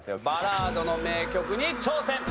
「バラード」の名曲に挑戦。